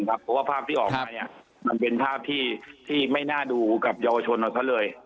เพราะว่าภาพที่ออกมามันเป็นภาพที่ไม่น่าดูกับเยาวชนของเขาเลย